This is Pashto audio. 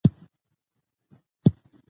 آمو سیند د افغانستان د جغرافیوي تنوع مثال دی.